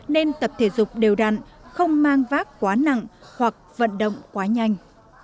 nên tập thể dục đều đặn không mang vác quá nặng hoặc vận động quá nhanh